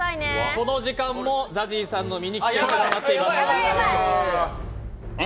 この時間もＺＡＺＹさんの身に危険が迫っています。